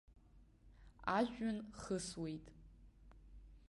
Ажәҩн хысуеит.